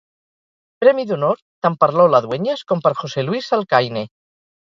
Premi d'Honor tant per Lola Dueñas com per José Luís Alcaine.